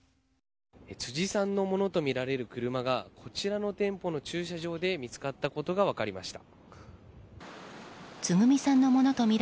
辻さんのものとみられる車がこちらの店舗の駐車場で見つかったことが分かりました。